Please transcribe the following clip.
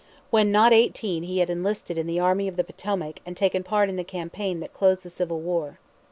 When not eighteen he had enlisted in the Army of the Potomac and taken part in the campaign that closed the Civil War.